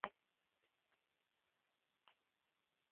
蛋白质是由特定氨基酸生成的多肽序列折叠而成。